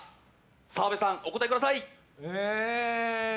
澤部さん、お答えください。